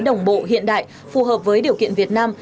đồng bộ hiện đại phù hợp với điều kiện việt nam